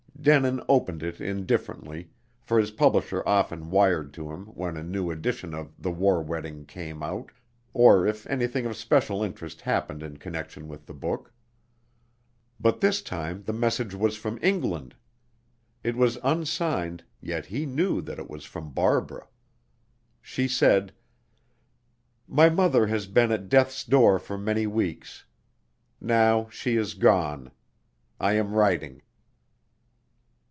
Denin opened it indifferently, for his publisher often wired to him when a new edition of "The War Wedding" came out, or if anything of special interest happened in connection with the book. But this time the message was from England. It was unsigned, yet he knew that it was from Barbara. She said, "My mother has been at death's door for many weeks. Now she is gone. I am writing."